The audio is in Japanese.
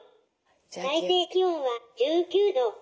最低気温は１９度。